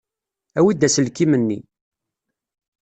Awi-d aselkim-nni.